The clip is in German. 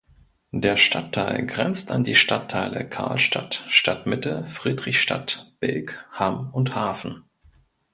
Der Stadtteil grenzt an die Stadtteile Carlstadt, Stadtmitte, Friedrichstadt, Bilk, Hamm und Hafen.